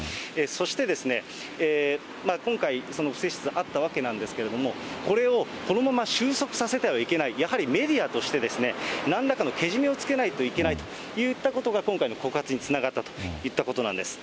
そして今回、不正支出あったわけなんですけれども、これをこのまま終息させてはいけない、やはりメディアとして、なんらかのけじめをつけないといけないといったことが今回の告発につながったといったことなんです。